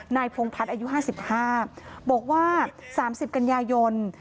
นายพงภัทรอายุ๕๕บอกว่า๓๐กันยายน